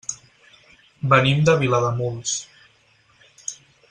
Venim de Vilademuls.